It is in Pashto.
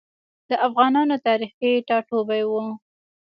د افغانانو تاریخي ټاټوبی و.